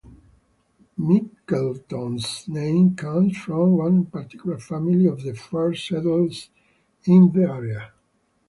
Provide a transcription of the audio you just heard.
Mitchelton's name comes from one particular family of the first settlers in the area.